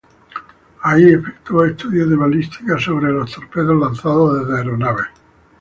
Ahí efectuó estudios de balística sobre los torpedos lanzados desde aeronaves.